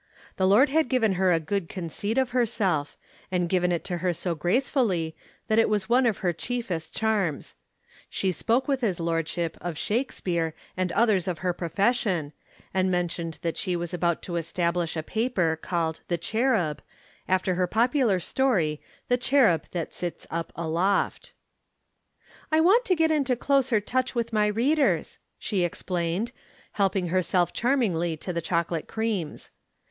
The Lord had given her a good conceit of herself, and given it her so gracefully, that it was one of her chiefest charms. She spoke with his lordship of Shakespeare and others of her profession, and mentioned that she was about to establish a paper called The Cherub, after her popular story The Cherub That Sits Up Aloft. "I want to get into closer touch with my readers," she explained, helping herself charmingly to the chocolate creams.